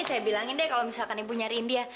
saya bilangin deh kalau misalkan ibu nyariin dia